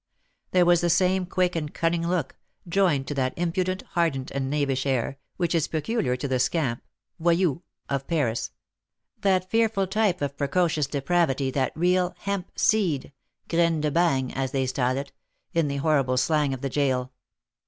There was the same quick and cunning look, joined to that impudent, hardened, and knavish air, which is peculiar to the scamp (voyou) of Paris, that fearful type of precocious depravity, that real 'hemp seed' (graine de bagne), as they style it, in the horrible slang of the gaol.